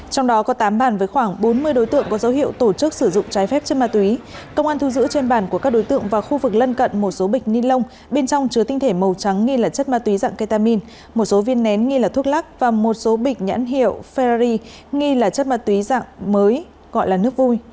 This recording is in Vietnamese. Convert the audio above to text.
trong đó có tám bàn với khoảng bốn mươi đối tượng có dấu hiệu tổ chức sử dụng trái phép chất ma túy công an thu giữ trên bàn của các đối tượng và khu vực lân cận một số bịch ni lông bên trong chứa tinh thể màu trắng nghi là chất ma túy dạng ketamin một số viên nén nghi là thuốc lắc và một số bịch nhãn hiệu ferrari nghi là chất ma túy dạng mới gọi là nước vui